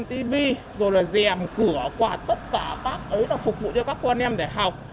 tv rồi là dèm cửa quạt tất cả các ấy là phục vụ cho các con em để học